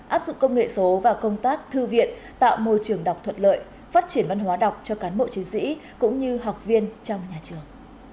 áp dụng công nghệ số và công tác thư viện tạo môi trường đọc thuận lợi phát triển văn hóa đọc cho cán bộ chiến sĩ cũng như học viên trong nhà trường